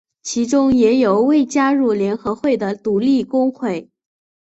其中也有未加入联合会的独立工会。